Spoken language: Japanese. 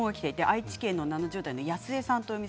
愛知県７０代の方です。